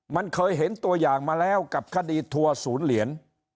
มันเคยเห็นตัวอย่างมาแล้วกับคดีทัวร์ศูนย์เหรียญ